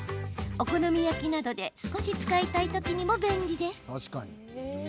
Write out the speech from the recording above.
お好み焼きなどで少し使いたいときにも便利です。